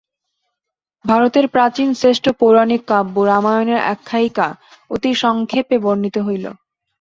ভারতের প্রাচীন শ্রেষ্ঠ পৌরাণিক কাব্য রামায়ণের আখ্যায়িকা অতি সংক্ষেপে বর্ণিত হইল।